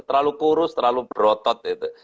terlalu kurus terlalu berotot gitu